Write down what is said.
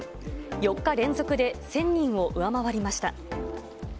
４日連続で１０００人を上回りました。